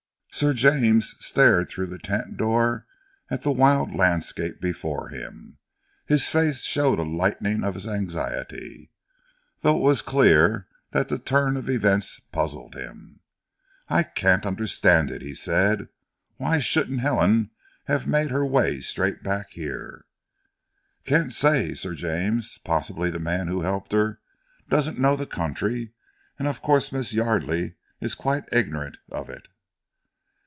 Sir James stared through the tent door at the wild landscape before him. His face showed a lightening of his anxiety, though it was clear that the turn of events puzzled him. "I can't understand it," he said. "Why shouldn't Helen have made her way straight back here?" "Can't say, Sir James! Possibly the man who helped her doesn't know the country, and of course Miss Yardely is quite ignorant of it."